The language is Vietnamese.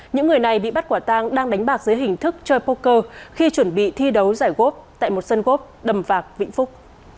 những người này bị bắt quả tang đang đánh bạc dưới hình thức chơi poker khi chuẩn bị thi đấu giải góp tại một sân gốc đầm vạc vĩnh phúc